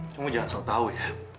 kamu jangan sel tau ya